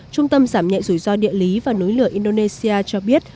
trung tâm giảm nhẹ rủi ro địa lý và nối lửa indonesia cho biết